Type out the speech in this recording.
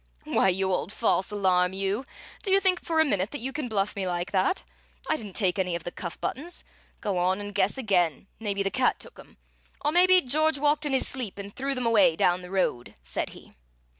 "Why, you old false alarm you, do you think for a minute that you can bluff me like that? I didn't take any of the cuff buttons. Go on and guess again. Maybe the cat took 'em, or maybe George walked in his sleep and threw them away down the road!" said he.